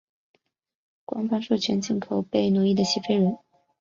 官方授权进口被奴役的西非人。